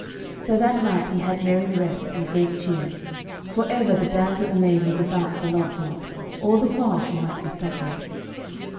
So that night he had merry rest and great cheer, for ever the damsel Elaine was about Sir Launcelot, all the while she might be suffered.